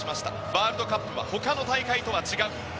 ワールドカップは他の大会とは違う。